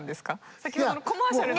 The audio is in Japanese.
先ほどのコマーシャルにしても。